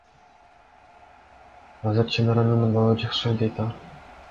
Азыр Чынаранын абалы жакшы, — дейт ал.